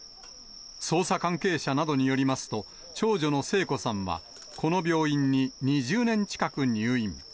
捜査関係者などによりますと、長女の聖子さんはこの病院に２０年近く入院。